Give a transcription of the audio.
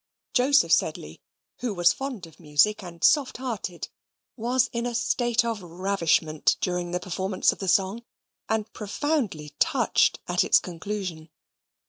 Joseph Sedley, who was fond of music, and soft hearted, was in a state of ravishment during the performance of the song, and profoundly touched at its conclusion.